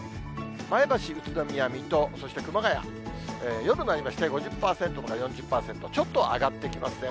前橋、宇都宮、水戸、そして熊谷、夜になりまして、５０％とか４０％、ちょっと上がってきますね。